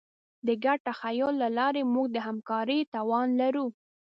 د ګډ تخیل له لارې موږ د همکارۍ توان لرو.